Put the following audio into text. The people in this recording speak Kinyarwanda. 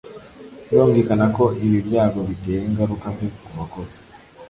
Birumvikana ko ibi byago bitera ingaruka mbi ku bakozi